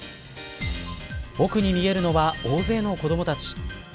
奥に見えるのは大勢の子どもたち。